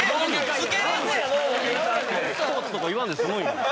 「スポーツ」とか言わんで済むんや。